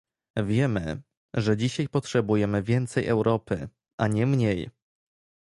Wiemy, że dzisiaj potrzebujemy więcej Europy, a nie mniej